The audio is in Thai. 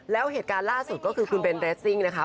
แล้วเหตุการณ์ล่าสุดก็คือคุณเบนเรสซิ่งนะคะ